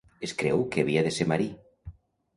Es creu que havia de ser marí.